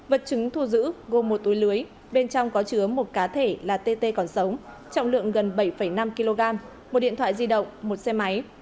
vật chứng thu giữ gồm một túi lưới bên trong có chứa một cá thể là tt còn sống trọng lượng gần bảy năm kg một điện thoại di động một xe máy